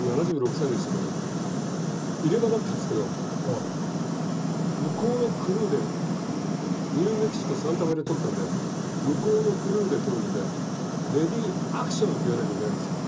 入れ歯だったんですけど向こうのクルーでニューメキシコサンタフェで撮ったんで向こうのクルーで撮るので「レディーアクション！」って言わなきゃいけないんですよ。